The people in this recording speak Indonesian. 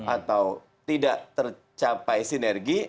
atau tidak tercapai sinergi